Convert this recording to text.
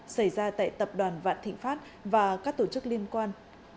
xảy ra tại tập đoàn vạn thịnh pháp và các tổ chức liên quan